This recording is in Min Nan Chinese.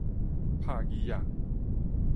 拍 gí 仔